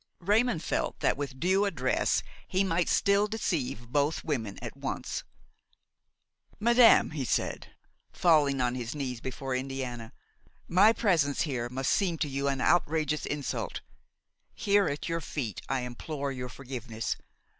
Raymon felt that with due address he might still deceive both women at once. "Madame," he said, falling on his knees before Indiana, "my presence here must seem to you an outrageous insult; here at your feet I implore your forgiveness.